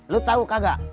lo tau kagak